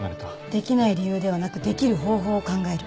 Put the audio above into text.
できない理由ではなくできる方法を考える。